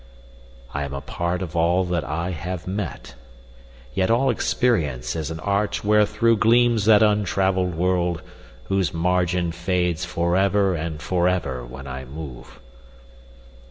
I am a part of all that I have met; Yet all experience is an arch wherethro' Gleams that untravell'd world whose margin fades For ever and forever when I move.